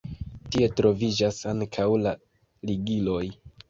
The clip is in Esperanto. Tie troviĝas ankaŭ la ligiloj.